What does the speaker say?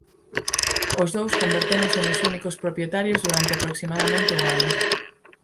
Os dous convertéronse nos únicos propietarios durante aproximadamente un ano.